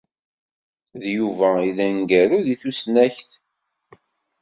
D Yuba ay d aneggaru deg tusnakt.